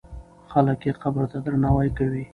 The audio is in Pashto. خلک یې قبر ته درناوی کوي.